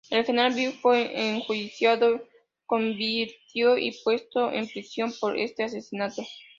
El general Viaux fue enjuiciado, convicto y puesto en prisión por este asesinato.